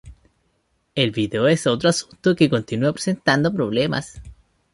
El video es otro asunto que continúa presentando problemas.